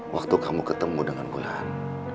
waktu kamu ketemu dengan gulaan